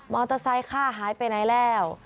อเตอร์ไซค่าหายไปไหนแล้ว